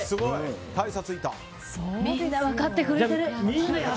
みんな分かってくれてる。